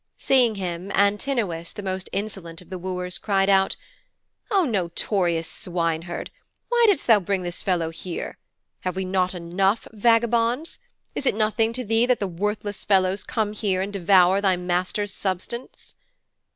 Seeing him, Antinous, the most insolent of the wooers, cried out, 'O notorious swineherd, why didst thou bring this fellow here? Have we not enough vagabonds? Is it nothing to thee that worthless fellows come here and devour thy master's substance?'